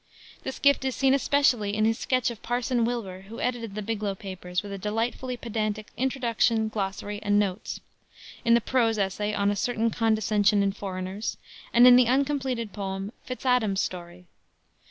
This gift is seen especially in his sketch of Parson Wilbur, who edited the Biglow Papers with a delightfully pedantic introduction, glossary, and notes; in the prose essay On a Certain Condescension in Foreigners, and in the uncompleted poem, Fitz Adam's Story.